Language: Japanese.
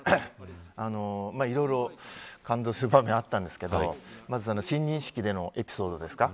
いろいろ感動する場面あったんですけど親任式でのエピソードですか。